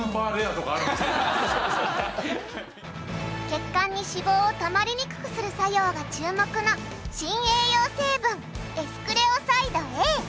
血管に脂肪をたまりにくくする作用が注目の新栄養成分エスクレオサイドＡ。